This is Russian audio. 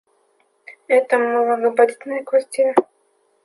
Это малогабаритная квартира.